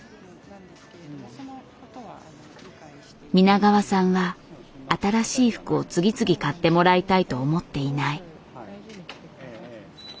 皆川さんは新しい服を次々買ってもらいたいと思っていない。